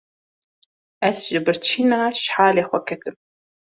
Ez ji birçîna ji halê xwe ketim.